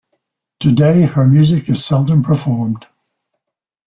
Today her music is seldom performed.